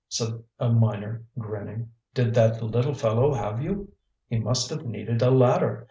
said a miner grinning; "did that little fellow have you? he must have needed a ladder.